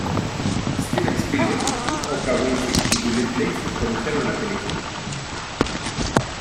Steven Spielberg, Oprah Winfrey y Juliet Blake produjeron la película.